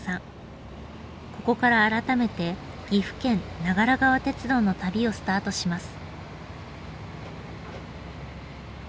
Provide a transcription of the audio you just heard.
ここから改めて岐阜県長良川鉄道の旅をスタートします。